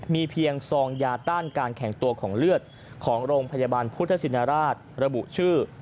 มีเพียงซองยาต้านการแข็งตัวของเลือดของโรงพยาบาลพุทธชินราชระบุชื่อ